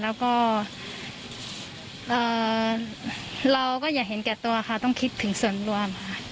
แล้วก็เราก็อย่าเห็นแก่ตัวค่ะต้องคิดถึงส่วนรวมค่ะ